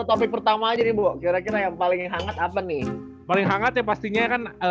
topik pertama aja nih bu kira kira yang paling hangat apa nih paling hangat ya pastinya kan